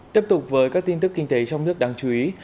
tiếp tục với các tin tức kinh tế trong nước đáng chú ý